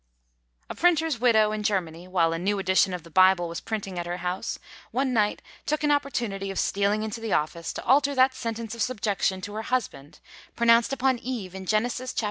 A printer's widow in Germany, while a new edition of the Bible was printing at her house, one night took an opportunity of stealing into the office, to alter that sentence of subjection to her husband, pronounced upon Eve in Genesis, chap.